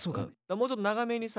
もうちょっと長めにさ。